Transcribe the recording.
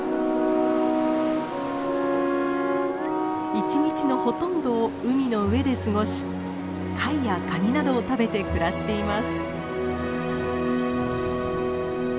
一日のほとんどを海の上で過ごし貝やカニなどを食べて暮らしています。